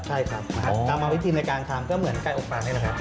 ใช่ครับกรรมวิธีในการทำก็เหมือนไก่อบปากนี่แหละครับ